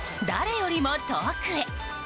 誰よりも遠くへ。